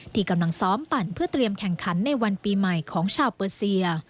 ที่กำลังซ้อมปั่นเพื่อเตรียมแข่งขันในวันปีใหม่ของชาวเปอร์เซีย